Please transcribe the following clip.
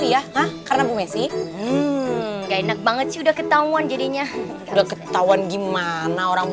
ya hah karena gue sih enggak enak banget sudah ketahuan jadinya ketahuan gimana orang